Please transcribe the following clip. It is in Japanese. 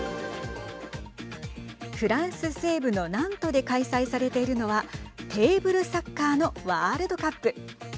フランス西部のナントで開催されているのはテーブルサッカーのワールドカップ。